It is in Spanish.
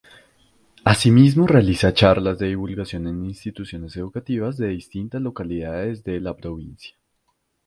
Asimismo realiza charlas de divulgación en instituciones educativas de distintas localidades de la provincia.